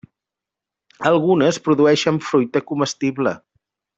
Algunes produeixen fruita comestible.